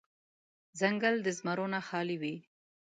ځنګل د زمرو نه خالې نه وي.